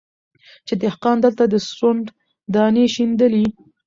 چي دهقان دلته د سونډ دانې شیندلې